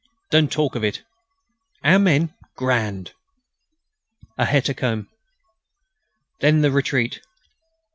Don't talk of it!... Our men? Grand!... A hecatomb.... Then ... the retreat